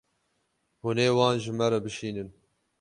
Hûn ê wan ji me re bişînin.